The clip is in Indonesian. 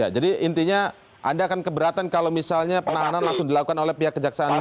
jadi intinya anda akan keberatan kalau misalnya penahanan langsung dilakukan oleh pihak kejaksaan